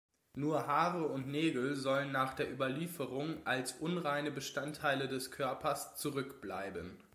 Nur Haare und Nägel sollen nach der Überlieferung als „unreine Bestandteile des Körpers“ zurückbleiben.